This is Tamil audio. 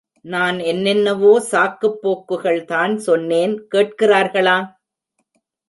நான் என்னென்னவோ சாக்குப் போக்குகள்தான் சொன்னேன் கேட்கிறார்களா?